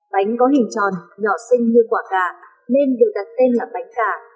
bánh có hình tròn nhỏ sinh như quả cà nên được đặt tên là bánh cà